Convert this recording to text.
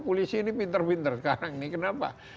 polisi ini pinter pinter sekarang ini kenapa